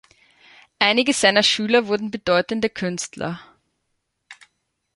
Einige seiner Schüler wurden bedeutende Künstler.